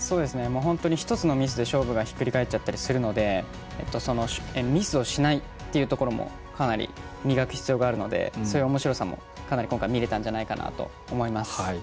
本当に１つのミスでひっくり返っちゃったりするのでミスをしないっていうところもかなり磨く必要があるのでそういうおもしろさも、今回かなり見れたんじゃないかなと思います。